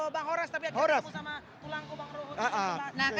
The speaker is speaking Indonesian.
bang horas tapi ada di dalam tulangku bang rohot